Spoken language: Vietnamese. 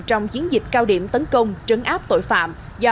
trong chiến dịch cao điểm tấn công trấn áp tội phạm do